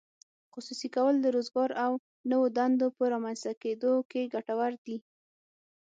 خصوصي کول د روزګار او نوو دندو په رامینځته کیدو کې ګټور دي.